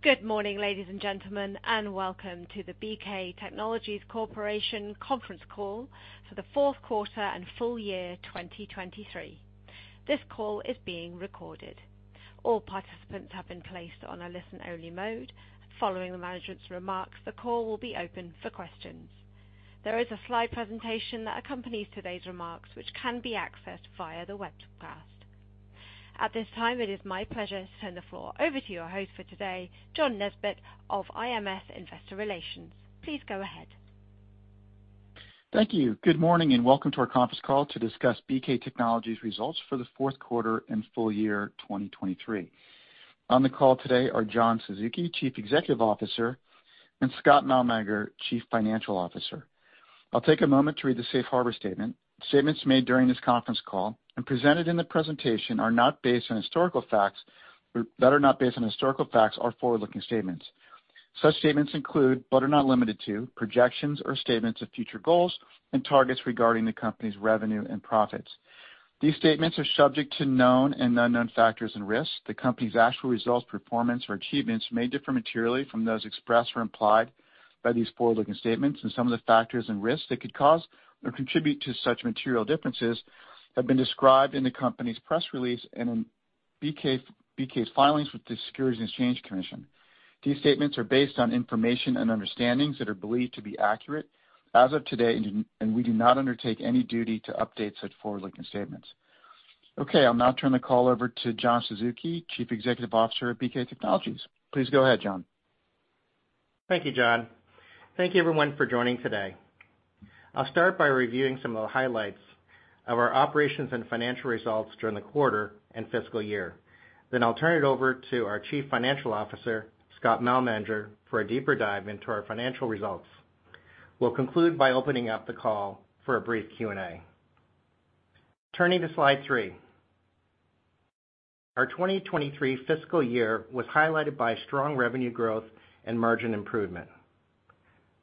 Good morning, ladies and gentlemen, and welcome to the BK Technologies Corporation Conference Call for the Q4 and Full Year 2023. This call is being recorded. All participants have been placed on a listen-only mode. Following the management's remarks, the call will be open for questions. There is a slide presentation that accompanies today's remarks, which can be accessed via the webcast. At this time, it is my pleasure to turn the floor over to your host for today, John Nesbett of IMS Investor Relations. Please go ahead. Thank you. Good morning and welcome to our conference call to discuss BK Technologies' results for the Q4 and full year 2023. On the call today are John Suzuki, Chief Executive Officer, and Scott Malmanger, Chief Financial Officer. I'll take a moment to read the Safe Harbor Statement. Statements made during this conference call and presented in the presentation that are not based on historical facts are forward-looking statements. Such statements include, but are not limited to, projections or statements of future goals and targets regarding the company's revenue and profits. These statements are subject to known and unknown factors and risks. The company's actual results, performance, or achievements may differ materially from those expressed or implied by these forward-looking statements, and some of the factors and risks that could cause or contribute to such material differences have been described in the company's press release and in BK's filings with the Securities and Exchange Commission. These statements are based on information and understandings that are believed to be accurate as of today, and we do not undertake any duty to update such forward-looking statements. Okay, I'll now turn the call over to John Suzuki, Chief Executive Officer at BK Technologies. Please go ahead, John. Thank you, John. Thank you, everyone, for joining today. I'll start by reviewing some of the highlights of our operations and financial results during the quarter and fiscal year. Then I'll turn it over to our Chief Financial Officer, Scott Malmanger, for a deeper dive into our financial results. We'll conclude by opening up the call for a brief Q&A. Turning to slide three. Our 2023 fiscal year was highlighted by strong revenue growth and margin improvement.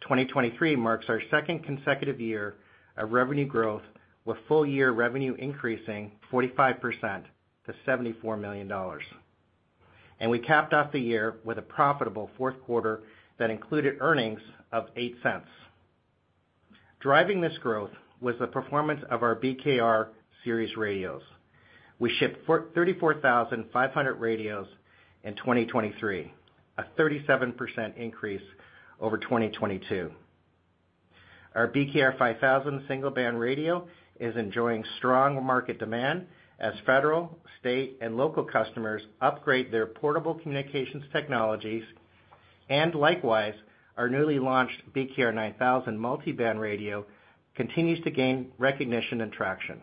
2023 marks our second consecutive year of revenue growth with full-year revenue increasing 45% to $74 million. And we capped off the year with a profitable Q4 that included earnings of $0.08. Driving this growth was the performance of our BKR Series radios. We shipped 34,500 radios in 2023, a 37% increase over 2022. Our BKR 5000 single-band radio is enjoying strong market demand as federal, state, and local customers upgrade their portable communications technologies, and likewise, our newly launched BKR 9000 multi-band radio continues to gain recognition and traction.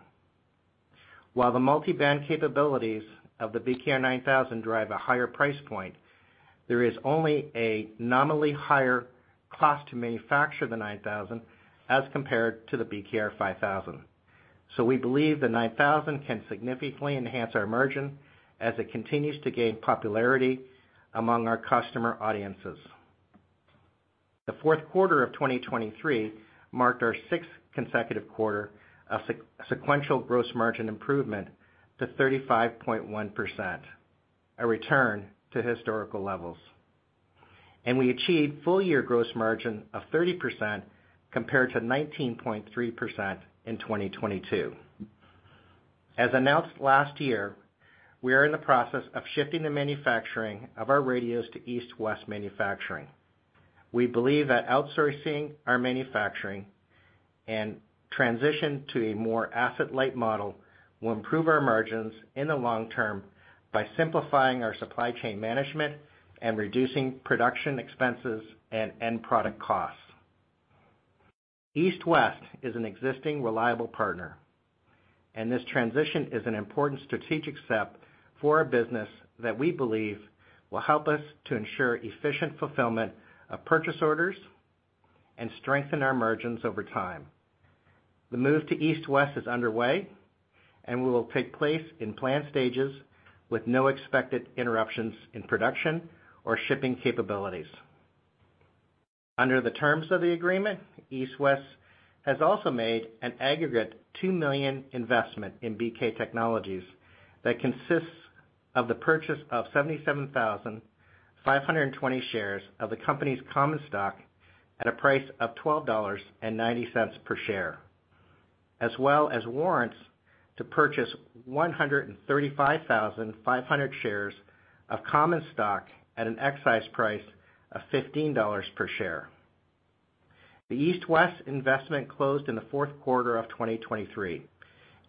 While the multi-band capabilities of the BKR 9000 drive a higher price point, there is only a nominally higher cost to manufacture the 9000 as compared to the BKR 5000. So we believe the 9000 can significantly enhance our margin as it continues to gain popularity among our customer audiences. The Q4 of 2023 marked our sixth consecutive quarter of sequential gross margin improvement to 35.1%, a return to historical levels. We achieved full-year gross margin of 30% compared to 19.3% in 2022. As announced last year, we are in the process of shifting the manufacturing of our radios to East West Manufacturing. We believe that outsourcing our manufacturing and transition to a more asset-light model will improve our margins in the long term by simplifying our supply chain management and reducing production expenses and end product costs. East West is an existing reliable partner, and this transition is an important strategic step for our business that we believe will help us to ensure efficient fulfillment of purchase orders and strengthen our margins over time. The move to East West is underway, and will take place in planned stages with no expected interruptions in production or shipping capabilities. Under the terms of the agreement, East West has also made an aggregate $2 million investment in BK Technologies that consists of the purchase of 77,520 shares of the company's common stock at a price of $12.90 per share, as well as warrants to purchase 135,500 shares of common stock at an exercise price of $15 per share. The East West investment closed in the Q4 of 2023,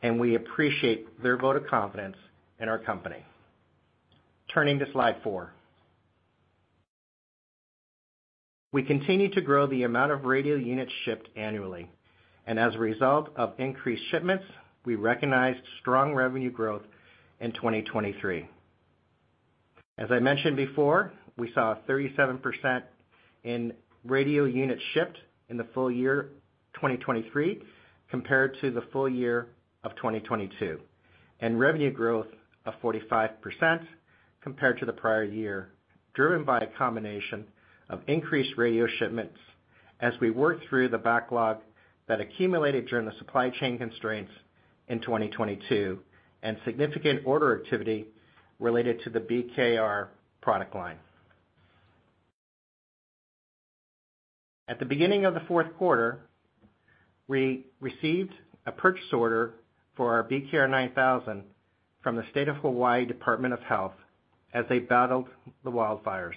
and we appreciate their vote of confidence in our company. Turning to slide four. We continue to grow the amount of radio units shipped annually, and as a result of increased shipments, we recognized strong revenue growth in 2023. As I mentioned before, we saw a 37% in radio units shipped in the full year 2023 compared to the full year of 2022, and revenue growth of 45% compared to the prior year driven by a combination of increased radio shipments as we worked through the backlog that accumulated during the supply chain constraints in 2022 and significant order activity related to the BKR product line. At the beginning of the Q4, we received a purchase order for our BKR 9000 from the State of Hawaii Department of Health as they battled the wildfires.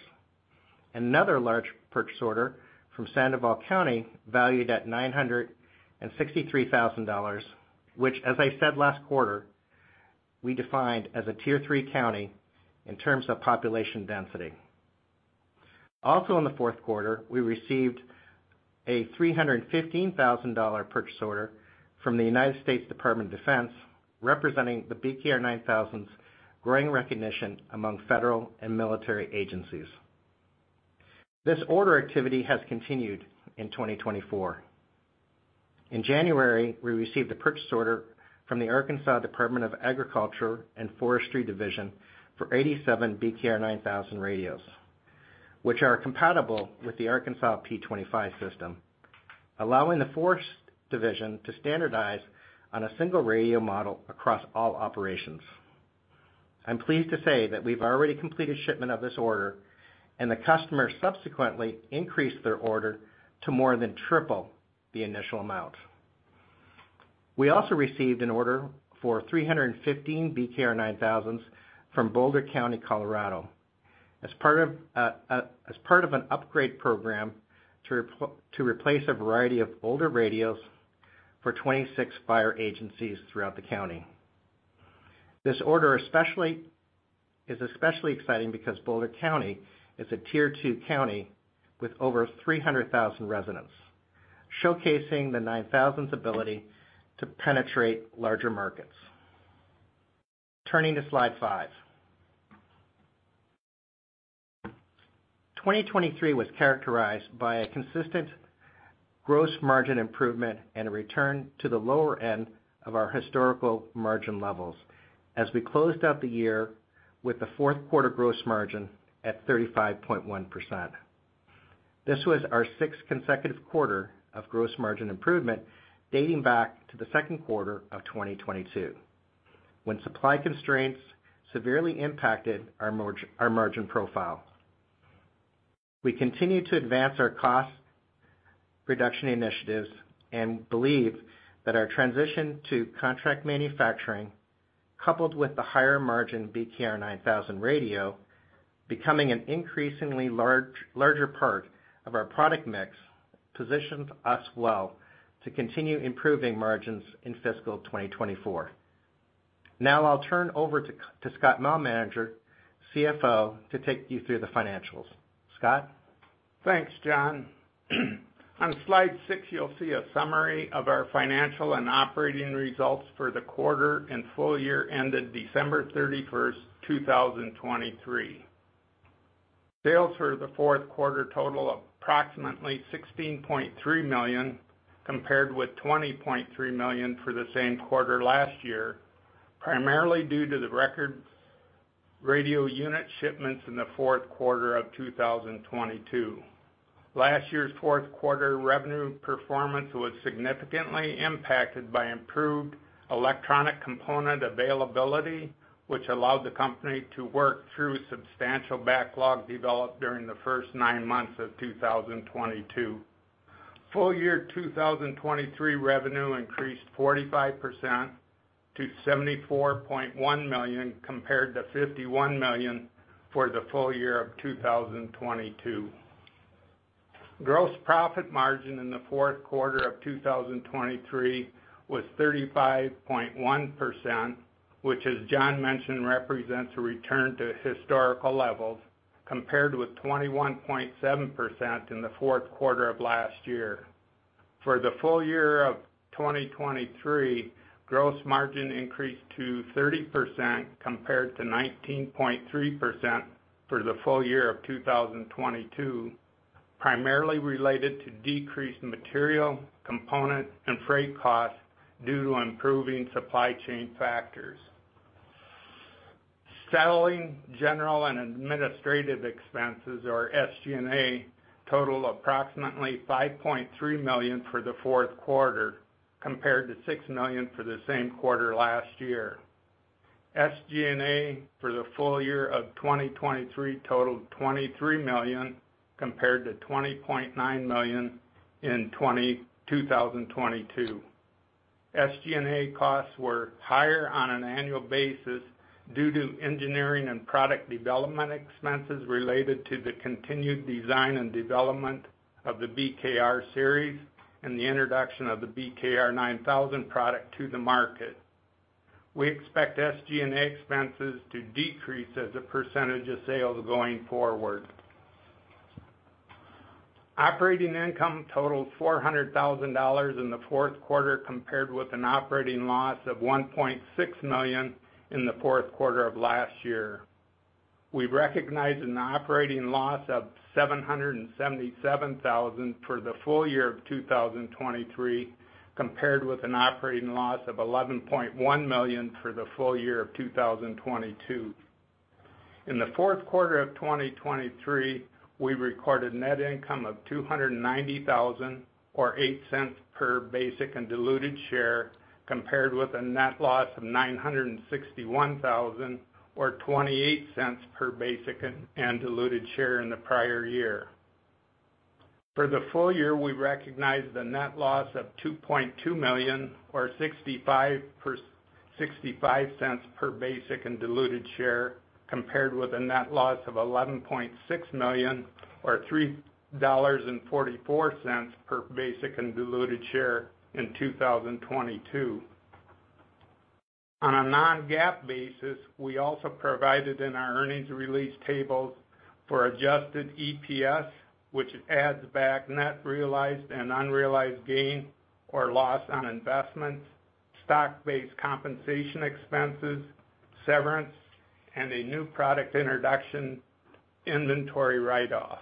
Another large purchase order from Sandoval County valued at $963,000, which, as I said last quarter, we defined as a Tier Three county in terms of population density. Also in the Q4, we received a $315,000 purchase order from the United States Department of Defense representing the BKR 9000's growing recognition among federal and military agencies. This order activity has continued in 2024. In January, we received a purchase order from the Arkansas Department of Agriculture and Forestry Division for 87 BKR 9000 radios, which are compatible with the Arkansas P25 system, allowing the forest division to standardize on a single radio model across all operations. I'm pleased to say that we've already completed shipment of this order, and the customer subsequently increased their order to more than triple the initial amount. We also received an order for 315 BKR 9000s from Boulder County, Colorado, as part of an upgrade program to replace a variety of older radios for 26 fire agencies throughout the county. This order is especially exciting because Boulder County is a Tier Two county with over 300,000 residents, showcasing the 9000's ability to penetrate larger markets. Turning to slide 5. 2023 was characterized by a consistent gross margin improvement and a return to the lower end of our historical margin levels as we closed out the year with the Q4 gross margin at 35.1%. This was our sixth consecutive quarter of gross margin improvement dating back to the Q2 of 2022, when supply constraints severely impacted our margin profile. We continue to advance our cost reduction initiatives and believe that our transition to contract manufacturing, coupled with the higher margin BKR 9000 radio becoming an increasingly larger part of our product mix, positions us well to continue improving margins in fiscal 2024. Now I'll turn over to Scott Malmanger, CFO, to take you through the financials. Scott. Thanks, John. On slide six, you'll see a summary of our financial and operating results for the quarter and full year ended 31 December, 2023. Sales for the Q4 total approximately $16.3 million compared with $20.3 million for the same quarter last year, primarily due to the record radio unit shipments in the Q4 of 2022. Last year's Q4 revenue performance was significantly impacted by improved electronic component availability, which allowed the company to work through substantial backlog developed during the first nine months of 2022. Full year 2023 revenue increased 45% to $74.1 million compared to $51 million for the full year of 2022. Gross profit margin in the Q4 of 2023 was 35.1%, which, as John mentioned, represents a return to historical levels compared with 21.7% in the Q4 of last year. For the full year of 2023, gross margin increased to 30% compared to 19.3% for the full year of 2022, primarily related to decreased material component and freight costs due to improving supply chain factors. Selling general and administrative expenses, or SG&A, totaled approximately $5.3 million for the Q4 compared to $6 million for the same quarter last year. SG&A for the full year of 2023 totaled $23 million compared to $20.9 million in 2022. SG&A costs were higher on an annual basis due to engineering and product development expenses related to the continued design and development of the BKR Series and the introduction of the BKR 9000 product to the market. We expect SG&A expenses to decrease as a percentage of sales going forward. Operating income totaled $400,000 in the Q4 compared with an operating loss of $1.6 million in the Q4 of last year. We recognized an operating loss of $777,000 for the full year of 2023 compared with an operating loss of $11.1 million for the full year of 2022. In the Q4 of 2023, we recorded net income of $290,000 or $0.08 per basic and diluted share compared with a net loss of $961,000 or $0.28 per basic and diluted share in the prior year. For the full year, we recognized a net loss of $2.2 million or $0.65 per basic and diluted share compared with a net loss of $11.6 million or $3.44 per basic and diluted share in 2022. On a non-GAAP basis, we also provided in our earnings release tables for adjusted EPS, which adds back net realized and unrealized gain or loss on investments, stock-based compensation expenses, severance, and a new product introduction inventory write-off.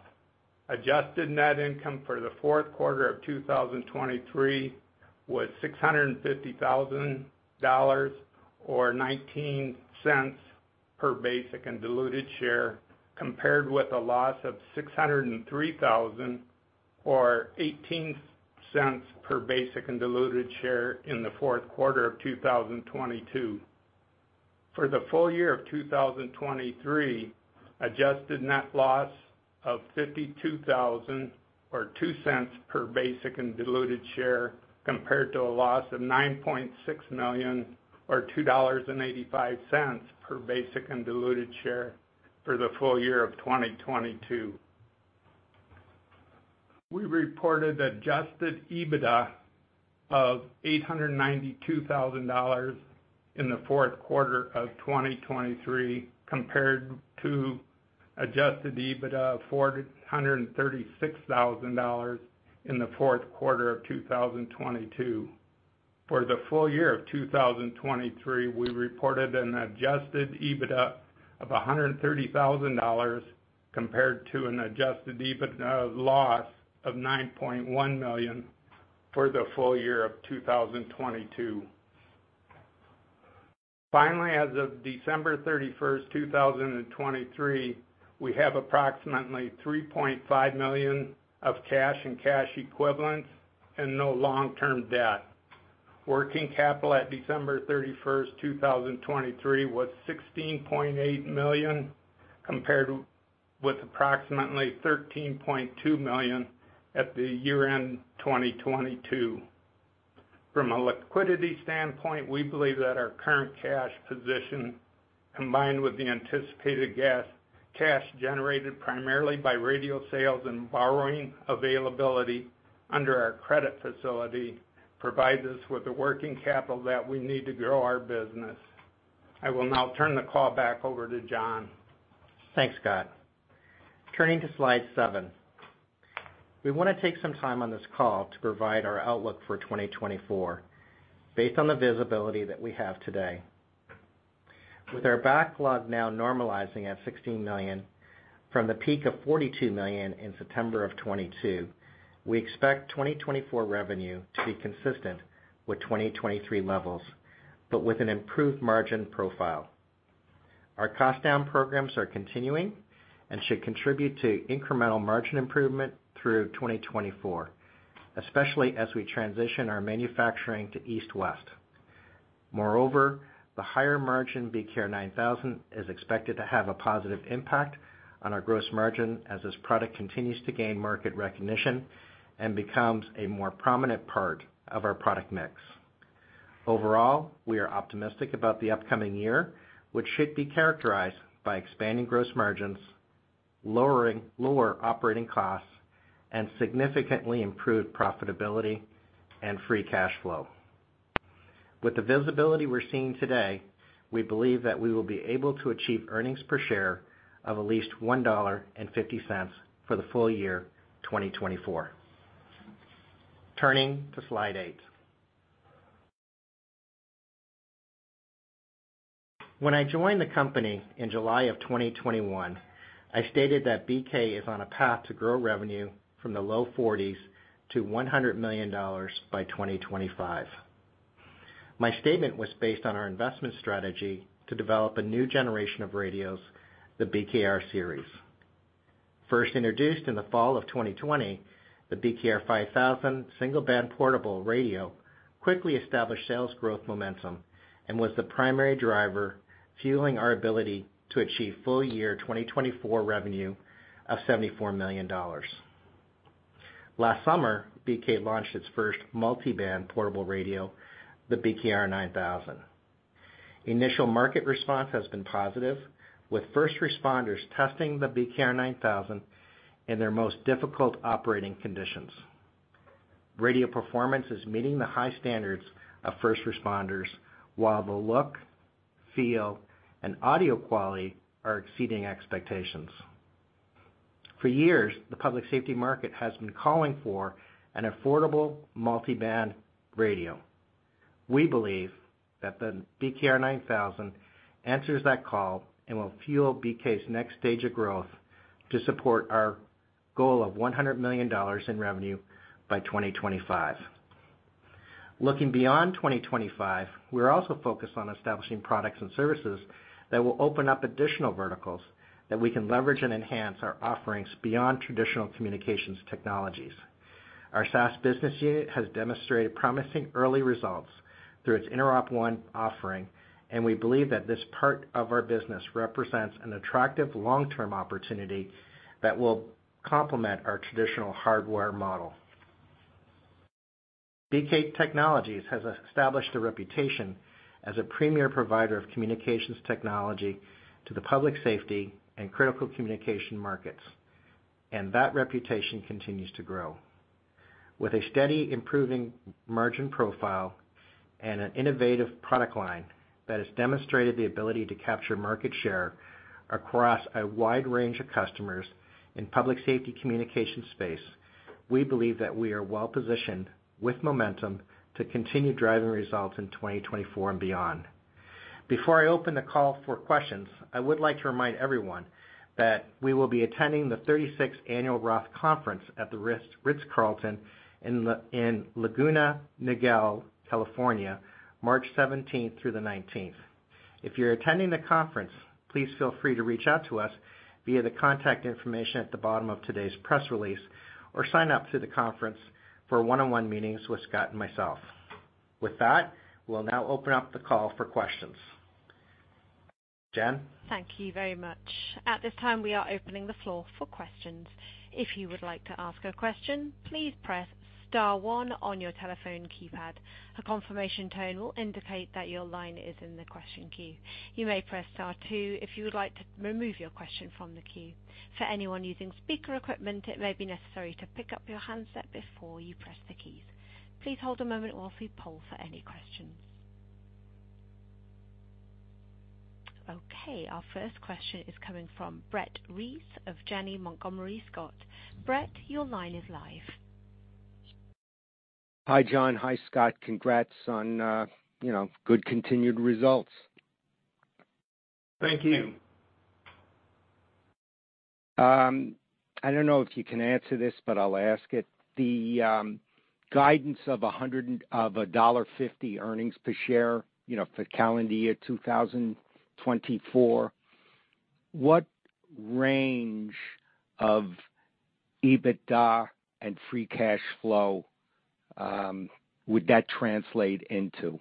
Adjusted net income for the Q4 of 2023 was $650,000 or $0.19 per basic and diluted share compared with a loss of $603,000 or $0.18 per basic and diluted share in the Q4 of 2022. For the full year of 2023, adjusted net loss of $52,000 or $0.02 per basic and diluted share compared to a loss of $9.6 million or $2.85 per basic and diluted share for the full year of 2022. We reported adjusted EBITDA of $892,000 in the Q4 of 2023 compared to adjusted EBITDA of $436,000 in the Q4 of 2022. For the full year of 2023, we reported an adjusted EBITDA of $130,000 compared to an adjusted EBITDA loss of $9.1 million for the full year of 2022. Finally, as of 31 December, 2023, we have approximately $3.5 million of cash and cash equivalents and no long-term debt. Working capital at 31 December, 2023, was $16.8 million compared with approximately $13.2 million at the year-end 2022. From a liquidity standpoint, we believe that our current cash position, combined with the anticipated cash generated primarily by radio sales and borrowing availability under our credit facility, provides us with the working capital that we need to grow our business. I will now turn the call back over to John. Thanks, Scott. Turning to Slide 7. We want to take some time on this call to provide our outlook for 2024 based on the visibility that we have today. With our backlog now normalizing at $16 million from the peak of $42 million in September of 2022, we expect 2024 revenue to be consistent with 2023 levels but with an improved margin profile. Our cost-down programs are continuing and should contribute to incremental margin improvement through 2024, especially as we transition our manufacturing to East West. Moreover, the higher margin BKR 9000 is expected to have a positive impact on our gross margin as this product continues to gain market recognition and becomes a more prominent part of our product mix. Overall, we are optimistic about the upcoming year, which should be characterized by expanding gross margins, lower operating costs, and significantly improved profitability and free cash flow. With the visibility we're seeing today, we believe that we will be able to achieve earnings per share of at least $1.50 for the full year 2024. Turning to slide 8. When I joined the company in July of 2021, I stated that BK is on a path to grow revenue from the low 40s to $100 million by 2025. My statement was based on our investment strategy to develop a new generation of radios, the BKR Series. First introduced in the fall of 2020, the BKR 5000 single-band portable radio quickly established sales growth momentum and was the primary driver fueling our ability to achieve full year 2024 revenue of $74 million. Last summer, BK launched its first multi-band portable radio, the BKR 9000. Initial market response has been positive, with first responders testing the BKR 9000 in their most difficult operating conditions. Radio performance is meeting the high standards of first responders while the look, feel, and audio quality are exceeding expectations. For years, the public safety market has been calling for an affordable multi-band radio. We believe that the BKR 9000 answers that call and will fuel BK's next stage of growth to support our goal of $100 million in revenue by 2025. Looking beyond 2025, we're also focused on establishing products and services that will open up additional verticals that we can leverage and enhance our offerings beyond traditional communications technologies. Our SaaS business unit has demonstrated promising early results through its InteropONE offering, and we believe that this part of our business represents an attractive long-term opportunity that will complement our traditional hardware model. BK Technologies has established a reputation as a premier provider of communications technology to the public safety and critical communication markets, and that reputation continues to grow. With a steady improving margin profile and an innovative product line that has demonstrated the ability to capture market share across a wide range of customers in public safety communication space, we believe that we are well-positioned with momentum to continue driving results in 2024 and beyond. Before I open the call for questions, I would like to remind everyone that we will be attending the 36th Annual Roth Conference at the Ritz-Carlton in Laguna Niguel, California, 17 March through the 19th. If you're attending the conference, please feel free to reach out to us via the contact information at the bottom of today's press release or sign up through the conference for one-on-one meetings with Scott and myself. With that, we'll now open up the call for questions. Jen? Thank you very much. At this time, we are opening the floor for questions. If you would like to ask a question, please press star one on your telephone keypad. A confirmation tone will indicate that your line is in the question queue. You may press star two if you would like to remove your question from the queue. For anyone using speaker equipment, it may be necessary to pick up your handset before you press the keys. Please hold a moment while we poll for any questions. Okay. Our first question is coming from Brett Reiss of Janney Montgomery Scott. Brett, your line is live. Hi, John. Hi, Scott. Congrats on good continued results. Thank you. I don't know if you can answer this, but I'll ask it. The guidance of $150 earnings per share for calendar year 2024, what range of EBITDA and free cash flow would that translate into?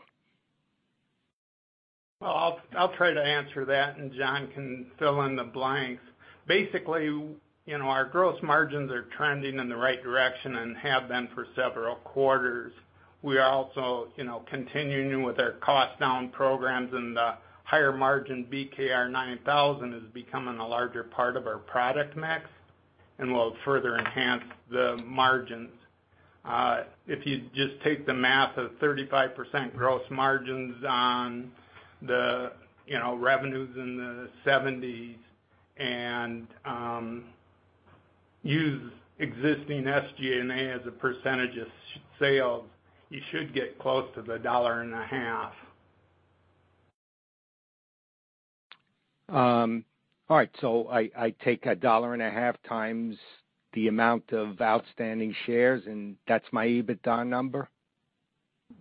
Well, I'll try to answer that, and John can fill in the blanks. Basically, our gross margins are trending in the right direction and have been for several quarters. We are also continuing with our cost-down programs, and the higher margin BKR 9000 is becoming a larger part of our product mix, and we'll further enhance the margins. If you just take the math of 35% gross margins on the revenues in the 70s and use existing SG&A as a percentage of sales, you should get close to the $1.50. All right. So I take $1.50x the amount of outstanding shares, and that's my EBITDA number?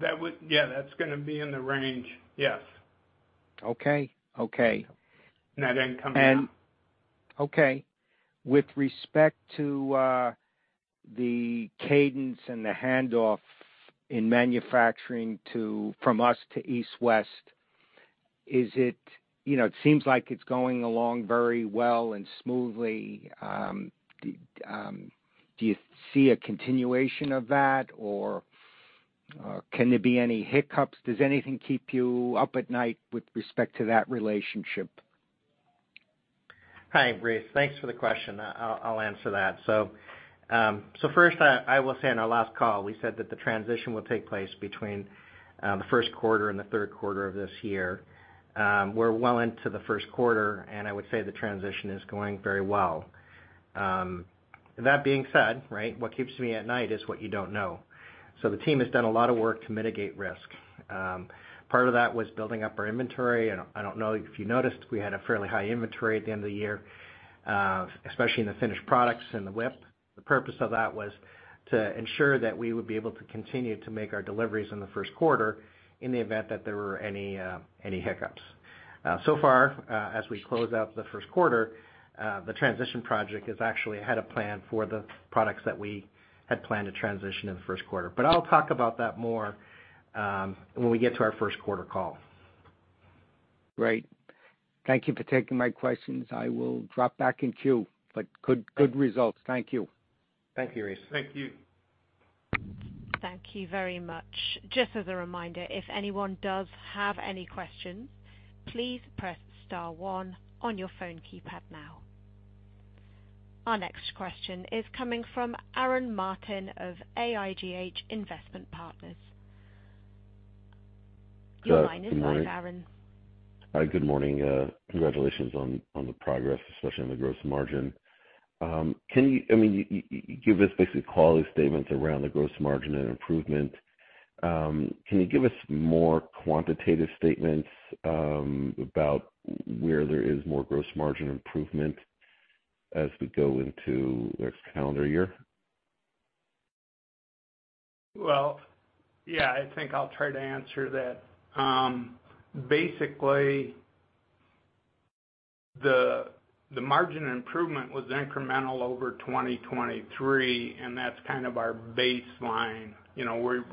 Yeah, that's going to be in the range. Yes. Okay. Okay. That income now. Okay. With respect to the cadence and the handoff from us to East West, it seems like it's going along very well and smoothly. Do you see a continuation of that, or can there be any hiccups? Does anything keep you up at night with respect to that relationship? Hi, Reiss. Thanks for the question. I'll answer that. So first, I will say on our last call, we said that the transition will take place between the Q1 and the Q3 of this year. We're well into the Q1, and I would say the transition is going very well. That being said, what keeps me at night is what you don't know. So the team has done a lot of work to mitigate risk. Part of that was building up our inventory. I don't know if you noticed, we had a fairly high inventory at the end of the year, especially in the finished products and the WIP. The purpose of that was to ensure that we would be able to continue to make our deliveries in the Q1 in the event that there were any hiccups. So far, as we close out the Q1, the transition project is actually ahead of plan for the products that we had planned to transition in the Q1. But I'll talk about that more when we get to our Q1 call. Great. Thank you for taking my questions. I will drop back in queue, but good results. Thank you. Thank you, Reiss. Thank you. Thank you very much. Just as a reminder, if anyone does have any questions, please press star one on your phone keypad now. Our next question is coming from Aaron Martin of AIGH Investment Partners. Your line is live, Aaron. Good morning. Good morning. Congratulations on the progress, especially on the gross margin. I mean, you give us basically qualitative statements around the gross margin and improvement. Can you give us more quantitative statements about where there is more gross margin improvement as we go into next calendar year? Well, yeah, I think I'll try to answer that. Basically, the margin improvement was incremental over 2023, and that's kind of our baseline. We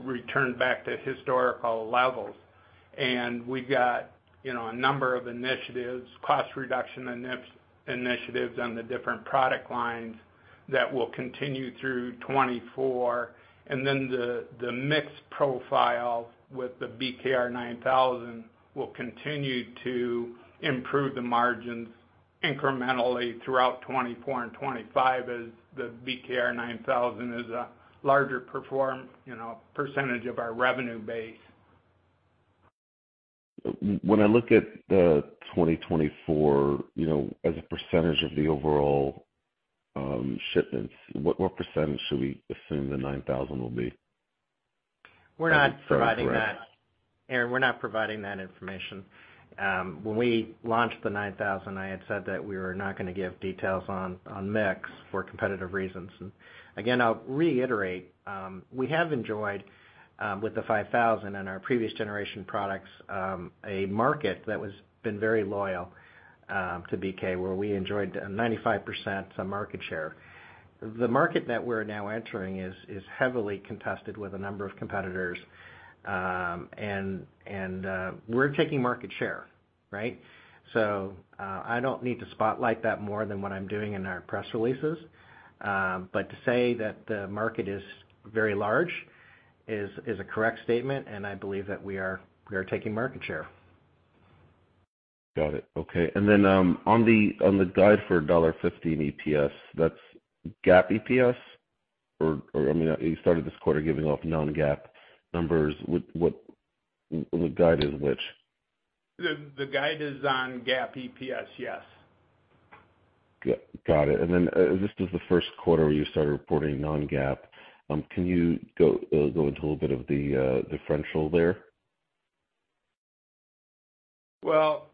returned back to historical levels, and we've got a number of initiatives, cost reduction initiatives on the different product lines that will continue through 2024. And then the mixed profile with the BKR 9000 will continue to improve the margins incrementally throughout 2024 and 2025 as the BKR 9000 is a larger percentage of our revenue base. When I look at the 2024 as a percentage of the overall shipments, what percentage should we assume the 9000 will be? We're not providing that, Aaron. We're not providing that information. When we launched the 9000, I had said that we were not going to give details on mix for competitive reasons. And again, I'll reiterate, we have enjoyed with the 5000 and our previous generation products a market that has been very loyal to BK where we enjoyed a 95% market share. The market that we're now entering is heavily contested with a number of competitors, and we're taking market share, right? So I don't need to spotlight that more than what I'm doing in our press releases. But to say that the market is very large is a correct statement, and I believe that we are taking market share. Got it. Okay. And then on the guide for $1.50 EPS, that's GAAP EPS? Or I mean, you started this quarter giving off non-GAAP numbers. The guide is which? The guide is on GAAP EPS, yes. Got it. And then this was the Q1 where you started reporting Non-GAAP. Can you go into a little bit of the differential there? Well,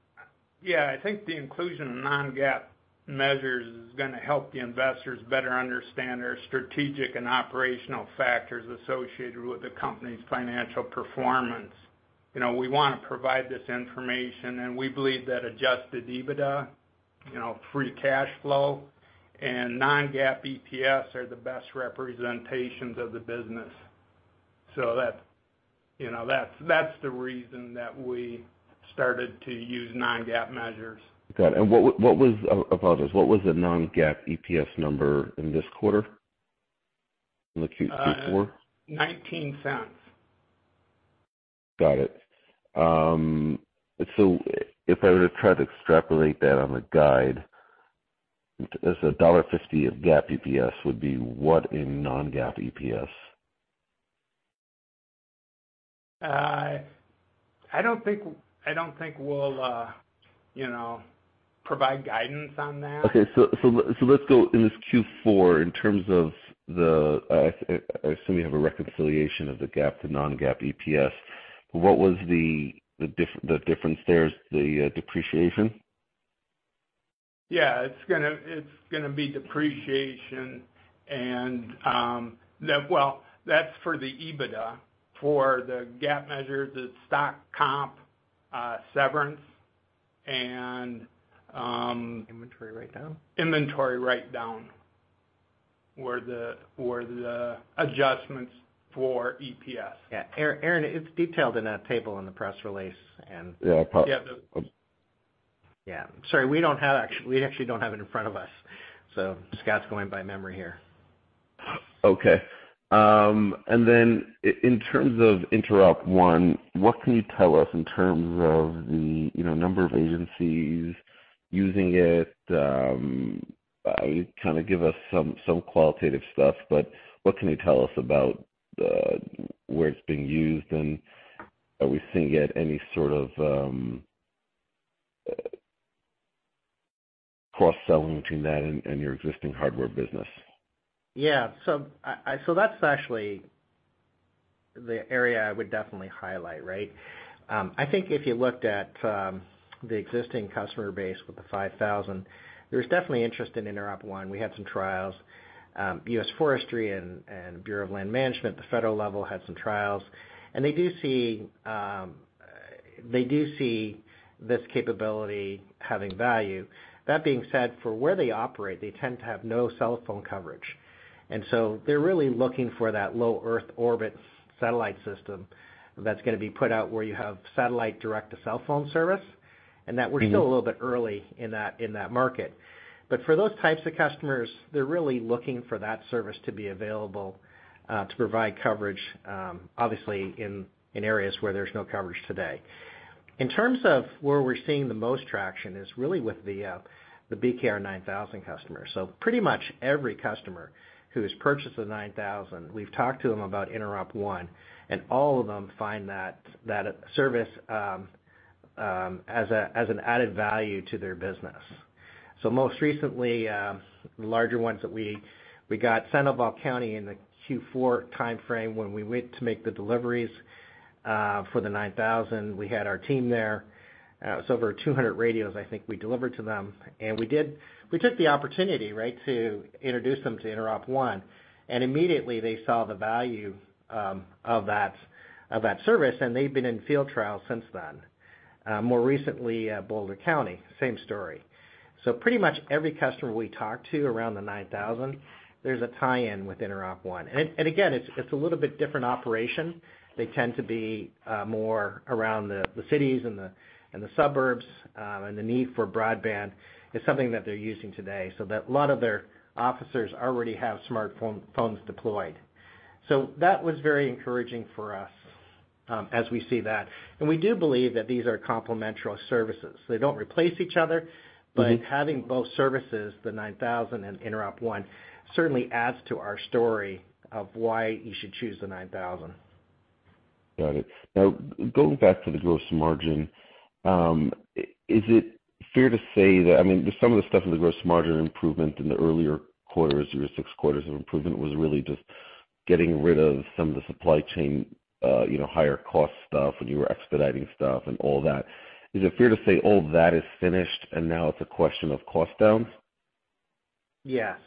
yeah, I think the inclusion of non-GAAP measures is going to help the investors better understand our strategic and operational factors associated with the company's financial performance. We want to provide this information, and we believe that Adjusted EBITDA, free cash flow, and non-GAAP EPS are the best representations of the business. So that's the reason that we started to use non-GAAP measures. Got it. And what was, I apologize. What was the non-GAAP EPS number in this quarter in the Q4? $0.19 Got it. So if I were to try to extrapolate that on the guide, $1.50 of GAAP EPS would be what in non-GAAP EPS? I don't think we'll provide guidance on that. Okay. So let's go in this Q4 in terms of the, I assume you have a reconciliation of the GAAP to non-GAAP EPS. What was the difference there? Is the depreciation? Yeah, it's going to be depreciation. Well, that's for the EBITDA. For the GAAP measures, it's stock comp severance and. Inventory write-down? Inventory write-down were the adjustments for EPS. Yeah. Aaron, it's detailed in a table in the press release, and. Yeah, I apologize. Yeah. Sorry, we actually don't have it in front of us, so Scott's going by memory here. Okay. And then in terms of InteropONE, what can you tell us in terms of the number of agencies using it? Kind of give us some qualitative stuff, but what can you tell us about where it's being used, and are we seeing it any sort of cross-selling between that and your existing hardware business? Yeah. So that's actually the area I would definitely highlight, right? I think if you looked at the existing customer base with the 5000, there's definitely interest in InteropONE. We had some trials. U.S. Forestry and Bureau of Land Management, the federal level, had some trials, and they do see this capability having value. That being said, for where they operate, they tend to have no cell phone coverage. And so they're really looking for that Low Earth Orbit satellite system that's going to be put out where you have satellite direct-to-cell phone service, and that we're still a little bit early in that market. But for those types of customers, they're really looking for that service to be available to provide coverage, obviously, in areas where there's no coverage today. In terms of where we're seeing the most traction is really with the BKR 9000 customers. So pretty much every customer who has purchased the 9000, we've talked to them about InteropONE, and all of them find that service as an added value to their business. So most recently, the larger ones that we got, Sandoval County in the Q4 timeframe when we went to make the deliveries for the 9000, we had our team there. It was over 200 radios, I think, we delivered to them. And we took the opportunity to introduce them to InteropONE, and immediately, they saw the value of that service, and they've been in field trials since then. More recently, Boulder County, same story. So pretty much every customer we talk to around the 9000, there's a tie-in with InteropONE. And again, it's a little bit different operation. They tend to be more around the cities and the suburbs, and the need for broadband is something that they're using today, so that a lot of their officers already have smartphones deployed. So that was very encouraging for us as we see that. And we do believe that these are complementary services. They don't replace each other, but having both services, the 9000 and InteropONE, certainly adds to our story of why you should choose the 9000. Got it. Now, going back to the gross margin, is it fair to say that, I mean, some of the stuff in the gross margin improvement in the earlier quarters, over six quarters of improvement, was really just getting rid of some of the supply chain higher-cost stuff when you were expediting stuff and all that. Is it fair to say all that is finished, and now it's a question of cost downs? Yes.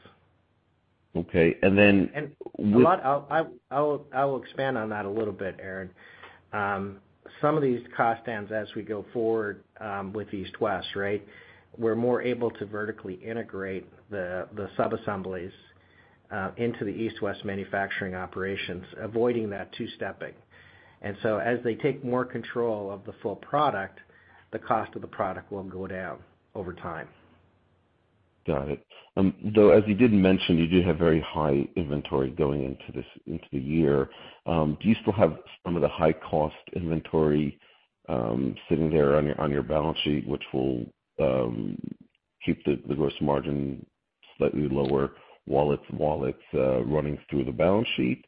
Okay. And then with. I'll expand on that a little bit, Aaron. Some of these cost downs, as we go forward with East West, right, we're more able to vertically integrate the subassemblies into the East West manufacturing operations, avoiding that two-stepping. So as they take more control of the full product, the cost of the product will go down over time. Got it. Though, as you did mention, you do have very high inventory going into the year, do you still have some of the high-cost inventory sitting there on your balance sheet, which will keep the gross margin slightly lower while it's running through the balance sheet?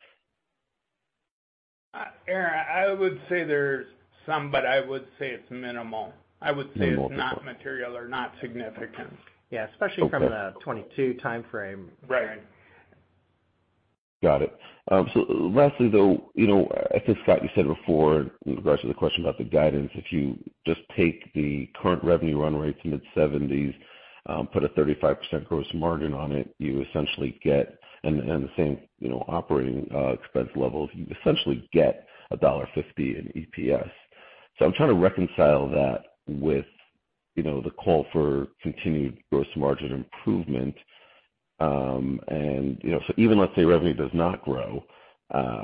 Aaron, I would say there's some, but I would say it's minimal. I would say it's not material or not significant. Yeah, especially from the 2022 timeframe. Right. Got it. So lastly, though, I think, Scott, you said before in regards to the question about the guidance, if you just take the current revenue run rate to mid-70s, put a 35% gross margin on it, you essentially get and the same operating expense levels, you essentially get $1.50 in EPS. So I'm trying to reconcile that with the call for continued gross margin improvement. And so even, let's say, revenue does not grow,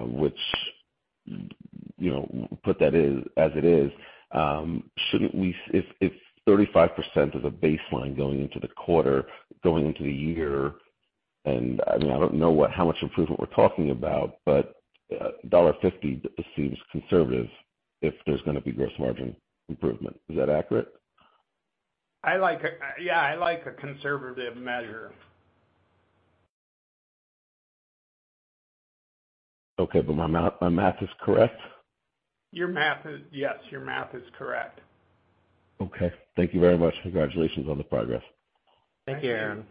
which put that as it is, shouldn't we if 35% is a baseline going into the quarter, going into the year, and I mean, I don't know how much improvement we're talking about, but $1.50 seems conservative if there's going to be gross margin improvement. Is that accurate? Yeah, I like a conservative measure. Okay. But my math is correct? Yes, your math is correct. Okay. Thank you very much. Congratulations on the progress. Thank you, Aaron.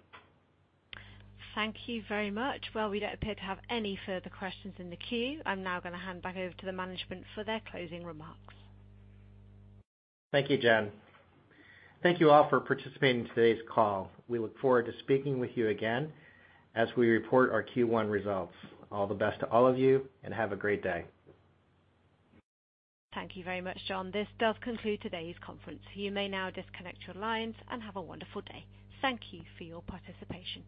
Thank you very much. Well, we don't appear to have any further questions in the queue. I'm now going to hand back over to the management for their closing remarks. Thank you, Jen. Thank you all for participating in today's call. We look forward to speaking with you again as we report our Q1 results. All the best to all of you, and have a great day. Thank you very much, John. This does conclude today's conference. You may now disconnect your lines and have a wonderful day. Thank you for your participation.